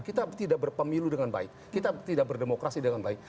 kita tidak berpemilu dengan baik kita tidak berdemokrasi dengan baik